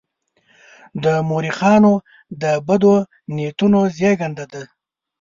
د مورخانو د بدو نیتونو زېږنده ده.